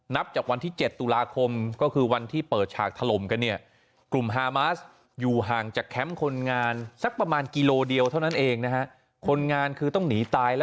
นับจากวันที่๗ตุลาคมก็คือวันที่เปิดฉากถล่มกันเนี่ยกลุ่มฮามาสอยู่ห่างจากแคมป์คนงานสักประมาณกิโลเดียวเท่านั้นเองนะฮะ